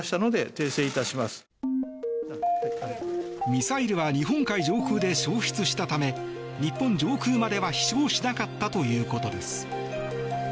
ミサイルは日本海上空で消失したため日本上空までは飛翔しなかったということです。